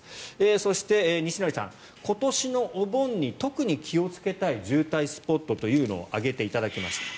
そして、西成さん今年のお盆に特に気をつけたい渋滞スポットというのを挙げていただきました。